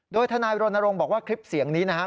โดยทนายรณรงค์บอกว่าคลิปเสียงนี้นะครับ